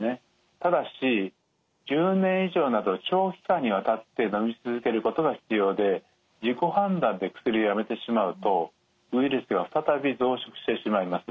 ただし１０年以上など長期間にわたってのみ続けることが必要で自己判断で薬をやめてしまうとウイルスが再び増殖してしまいます。